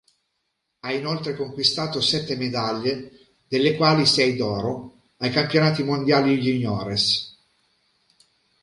Ha inoltre conquistato sette medaglie, delle quali sei d'oro, ai campionati mondiali juniores.